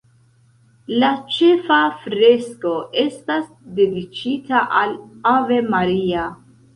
La ĉefa fresko estas dediĉita al Ave Maria.